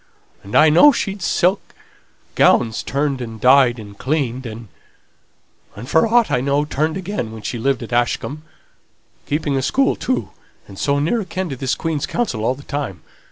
And I know she'd her silk gowns turned and dyed and cleaned, and, for aught I know, turned again, while she lived at Ashcombe. Keeping a school, too, and so near akin to this Queen's counsel all the time!